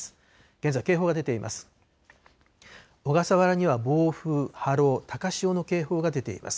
現在、警報が出ています。